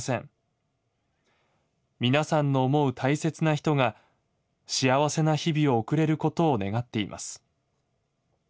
みなさんの思う大切な人が幸せな日々を送れることを願っています。